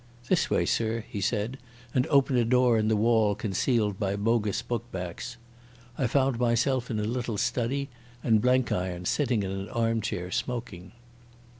"This way, sir," he said, and opened a door in the wall concealed by bogus book backs. I found myself in a little study, and Blenkiron sitting in an armchair smoking.